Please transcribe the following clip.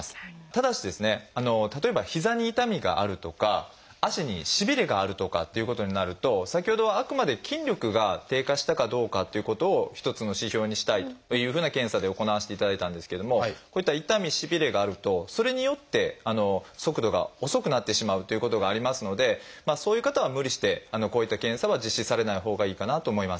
ただし例えば膝に痛みがあるとか足にしびれがあるとかっていうことになると先ほどはあくまで筋力が低下したかどうかっていうことの一つの指標にしたいというふうな検査で行わせていただいたんですけどもこういった痛みしびれがあるとそれによって速度が遅くなってしまうということがありますのでそういう方は無理してこういった検査は実施されないほうがいいかなと思います。